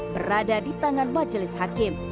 berada di tangan majelis hakim